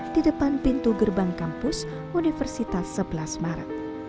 di depan pintu gerbang kampus universitas sebelas maret